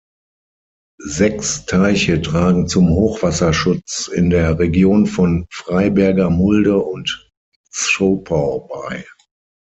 Sechs Teiche tragen zum Hochwasserschutz in der Region von Freiberger Mulde und Zschopau bei.